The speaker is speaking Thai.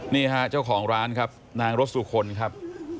นี่ฮะเจ้าของร้านครับนางรสสุคนครับ